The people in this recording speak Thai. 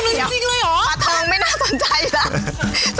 ปลาทองไม่น่าสนใจนะ